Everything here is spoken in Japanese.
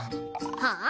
はあ？